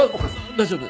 大丈夫？